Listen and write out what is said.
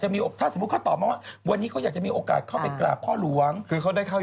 มาดูนี้นะคะ